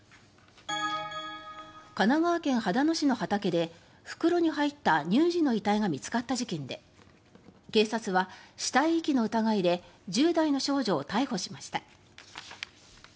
神奈川県秦野市の畑で袋に入った乳児の遺体が見つかった事件で警察は死体遺棄の疑いで１０代の少女を逮捕しました。